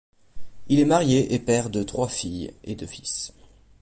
Il est marié et père de trois filles et deux fils.